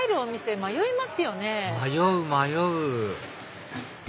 迷う迷う